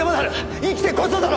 生きてこそだろ！